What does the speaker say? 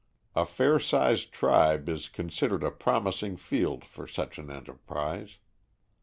A fair sized tribe is considered a promising field for such an enterprise.